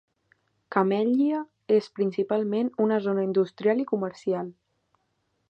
Camellia és principalment una zona industrial i comercial.